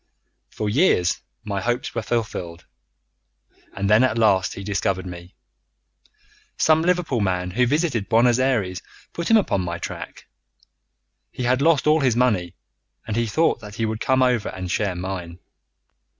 "For years my hopes were fulfilled, and then at last he discovered me. Some Liverpool man who visited Buenos Ayres put him upon my track. He had lost all his money, and he thought that he would come over and share mine.